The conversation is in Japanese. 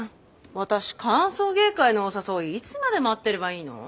私歓送迎会のお誘いいつまで待ってればいいの？